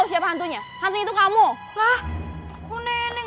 saya mau dong